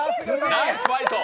ナイスファイト！